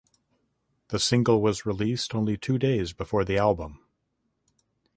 The single was released only two days before the album.